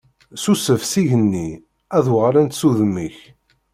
Susef s igenni, ad d-uɣalent s udem-ik.